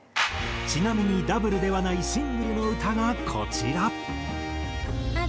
ちなみにダブルではないシングルの歌がこちら。